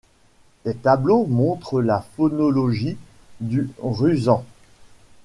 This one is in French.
Les tableaux montrent la phonologie du rushan.